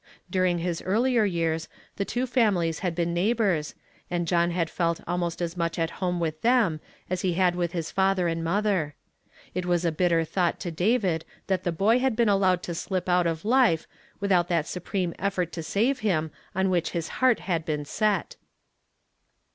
During his earlier years the tAVO families had been neigh bors, and John had felt almost as much at home with them as he had with his father and mother. It was a bitter thought to David that the boy had been allowed to slip out of life without that supreme effort to save him on which his heart had been set.